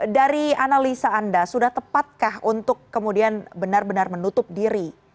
dari analisa anda sudah tepatkah untuk kemudian benar benar menutup diri